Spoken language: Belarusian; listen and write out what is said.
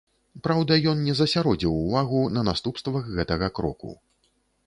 Праўда, ён не засяродзіў увагу на наступствах гэтага кроку.